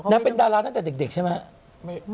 เป็นดาราตั้งแต่เด็กใช่ไหม